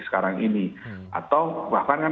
sekarang ini atau bahkan kan